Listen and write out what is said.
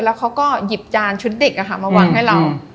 แล้วเขาก็หยิบจานชุดเด็กอะคะมาวางให้เราอืมอืม